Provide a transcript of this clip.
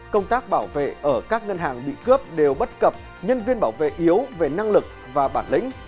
công tác bảo vệ ở các ngân hàng bị cướp đều bất cập nhân viên bảo vệ yếu về năng lực và bản lĩnh